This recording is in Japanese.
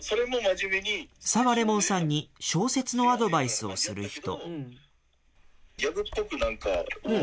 澤檸檬さんに小説のアドバイスをする人。